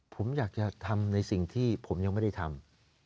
ผมอยากจะทำในสิ่งที่ผมยังไม่ได้ทำ